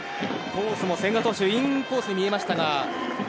コースもインコースに見えましたが。